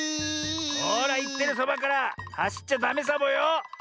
ほらいってるそばからはしっちゃダメサボよ！